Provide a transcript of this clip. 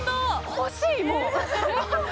欲しい、もう！